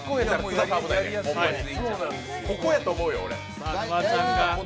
ここやと思うよ、俺。